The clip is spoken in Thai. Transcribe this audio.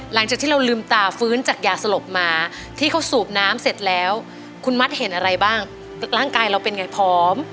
หลังจากที่เราลืมตาฟื้นจากยาสลบมาที่เขาสูบน้ำเสร็จแล้วคุณมัดเห็นอะไรบ้างร่างกายเราเป็นไงพร้อม